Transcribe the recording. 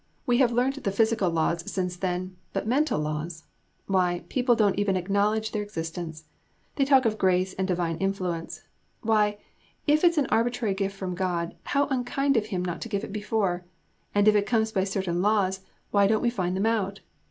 We have learnt the physical laws since then; but mental laws why, people don't even acknowledge their existence. They talk of grace and divine influence, why, if it's an arbitrary gift from God, how unkind of Him not to give it before! And if it comes by certain laws, why don't we find them out?